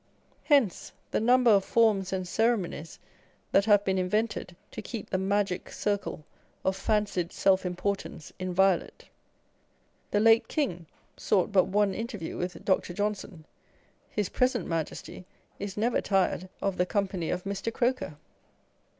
Hence the number of forms and ceremonies that have been invented to keep the magic circle of fancied self importance inviolate. The late King sought but one interview with Dr. Johnson : his present Majesty is never tired of the company of Mr. Croker.